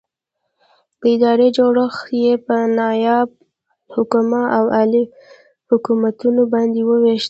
ادارې جوړښت یې په نائب الحکومه او اعلي حکومتونو باندې وویشه.